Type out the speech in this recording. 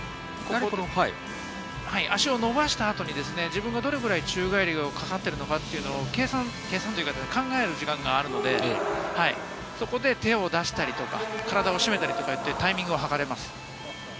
足を伸ばした後に自分がどれくらい宙返り、かかっているのかと考える時間があるので、そこで手を出したりとか体を締めたりとかというタイミングをはかれます。